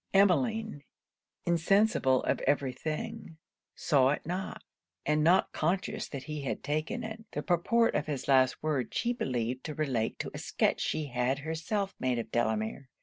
Emmeline, insensible of every thing, saw it not; and not conscious that he had taken it, the purport of his last words she believed to relate to a sketch she had herself made of Delamere.